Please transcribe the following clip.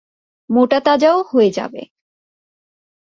মোটাতাজাও হয়ে যাবে।